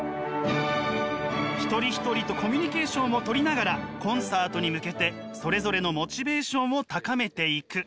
一人一人とコミュニケーションをとりながらコンサートに向けてそれぞれのモチベーションを高めていく。